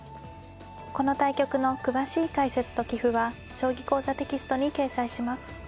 この対局の詳しい解説と棋譜は「将棋講座」テキストに掲載します。